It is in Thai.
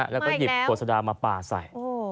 แล้วก็หยิบขวดสดามาปลาใส่